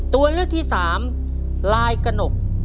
ตัวเลือกที่สามลายกระหนก